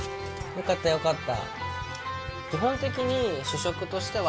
よかったよかった。